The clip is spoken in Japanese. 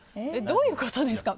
どういうことですか？